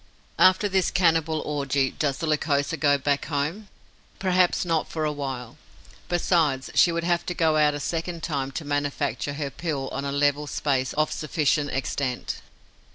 After this cannibal orgy, does the Lycosa go back home? Perhaps not, for a while. Besides, she would have to go out a second time, to manufacture her pill on a level space of sufficient extent.